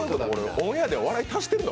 オンエアでは笑い足してるの？